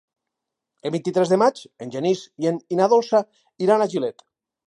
El vint-i-tres de maig en Genís i na Dolça iran a Gilet.